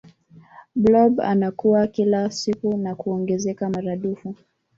blob anakua kila siku na kuongezeka maradufu